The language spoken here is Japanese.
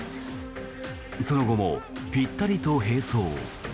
その後もぴったりと並走。